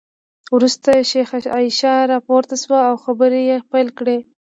وروسته شیخه عایشه راپورته شوه او خبرې یې پیل کړې.